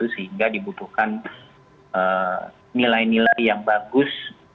sehingga dibutuhkan nilai nilai yang bagus